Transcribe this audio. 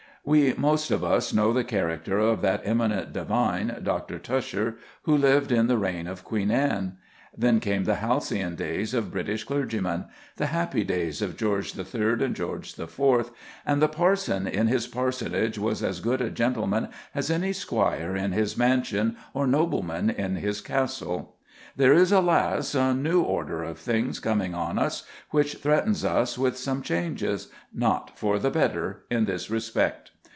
We most of us know the character of that eminent divine Dr. Tusher, who lived in the reign of Queen Anne. Then came the halcyon days of British clergymen, the happy days of George III. and George IV., and the parson in his parsonage was as good a gentleman as any squire in his mansion or nobleman in his castle. There is, alas! a new order of things coming on us which threatens us with some changes, not for the better, in this respect.